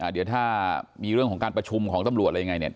เดี๋ยวถ้ามีเรื่องของการประชุมของตำรวจอะไรยังไงเนี่ย